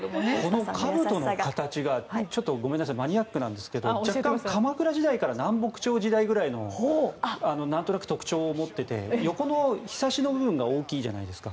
このかぶとの形がマニアックなんですけど、若干鎌倉時代から南北朝時代ぐらいまでのなんとなく特徴を持っていて横のひさしの部分が大きいじゃないですか。